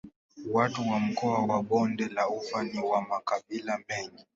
Watu wa mkoa wa Bonde la Ufa ni wa makabila mengi.